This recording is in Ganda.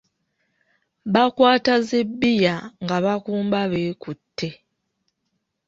Bakwata zi bbiya nga bakumba beekutte.